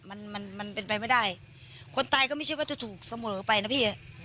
มันมันมันเป็นไปไม่ได้คนตายก็ไม่ใช่ว่าจะถูกเสมอไปนะพี่